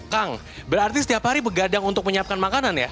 kang berarti setiap hari begadang untuk menyiapkan makanan ya